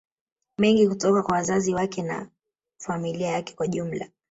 mengi kutoka kwa wazazi wake na familia yake kwa ujumla